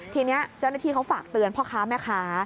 ทีนี้เจ้าหน้าที่เขาฝากเตือนพ่อค้าแม่ค้า